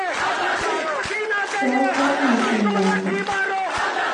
Sεu kra n lḥenna!